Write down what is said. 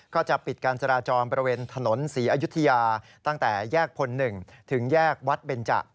ก็จะปิดการจราจรบริเวณถนนศรีอยุธยาตั้งแต่แยกพล๑ถึงแยกวัดเบนจะ